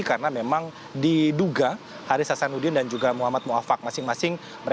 karena memang diduga haris sasanudin dan juga muhammad mu'affaq masing masing